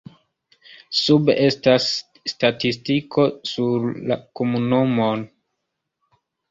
Sube estas statistiko sur la komunumoj.